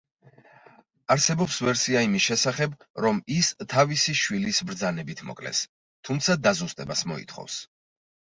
არსებობს ვერსია იმის შესახებ, რომ ის თავისი შვილის ბრძანებით მოკლეს, თუმცა დაზუსტებას მოითხოვს.